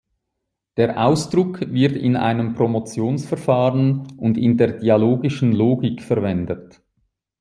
Der Ausdruck wird in einem Promotionsverfahren und in der Dialogischen Logik verwendet.